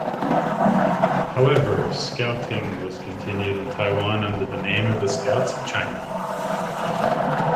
However, Scouting has continued in Taiwan under the name of the Scouts of China.